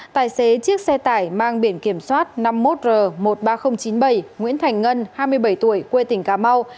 tài xế chiếc xe tải mang biển kiểm soát năm mươi một r một mươi ba nghìn chín mươi bảy nguyễn thành ngân hai mươi bảy tuổi quê tỉnh cà mau